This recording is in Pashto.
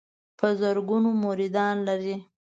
په زرګونو مریدان لري.